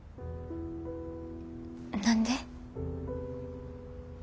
何で？